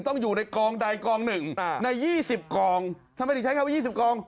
ต้องอยู่ในกองใดกองหนึ่งอ่าในยี่สิบกองทำไมถึงใช้คำว่ายี่สิบกอง